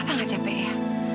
papa gak capek ya